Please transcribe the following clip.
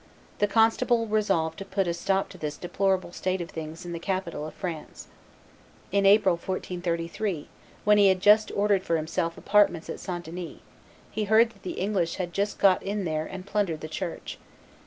The constable resolved to put a stop to this deplorable state of things in the capital of France. In April, 1433, when he had just ordered for himself apartments at St. Denis, he heard that the English had just got in there and plundered the church.